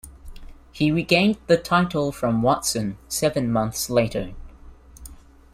He regained the title from Watson seven months later.